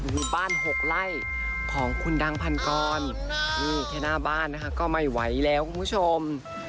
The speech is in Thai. คือบ้านหกไล่ของคุณดังพันกรนี่แค่หน้าบ้านนะคะก็ไม่ไหวแล้วคุณผู้ชม